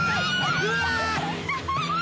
うわ！